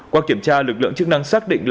qua kiểm tra lực lượng chức năng xác định